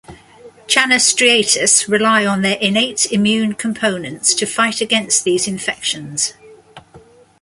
Channa striatus rely on their innate immune components to fight against these infections.